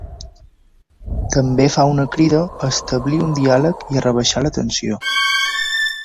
També fa una crida a establir un diàleg i a rebaixar la tensió.